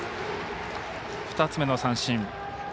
２つ目の三振。